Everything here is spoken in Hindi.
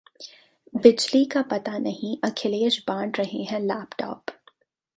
बिजली का पता नहीं, अखिलेश बांट रहे हैं लैपटॉप